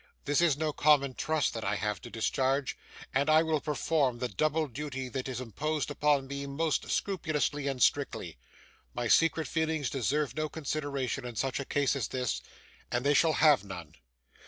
'This is no common trust that I have to discharge, and I will perform the double duty that is imposed upon me most scrupulously and strictly. My secret feelings deserve no consideration in such a case as this, and they shall have none.